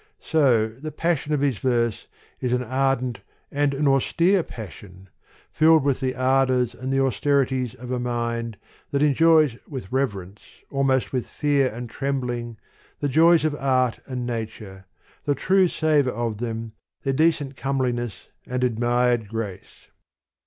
So, the passion of his verse is an ardent and an austere passion, filled with the ar dours and the austerities of a mind, that enjoys with reverence, almost with fear and trembling, the joys of art and nature, the true savour of them, their decent come liness and admired grace.